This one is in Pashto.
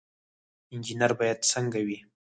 انجنیر باید څنګه وي؟